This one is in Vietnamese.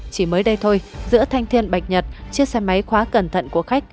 chỉ mới đây thôi giữa thanh thiên bạch nhật chiếc xe máy khóa cẩn thận của khách